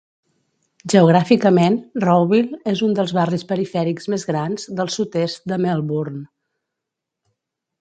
Geogràficament, Rowville és un dels barris perifèrics més grans del sud-est de Melbourne.